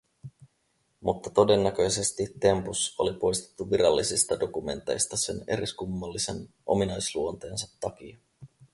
Mutta todennäköisesti Tempus oli poistettu virallisista dokumenteista sen eriskummallisen ominaisluonteensa takia.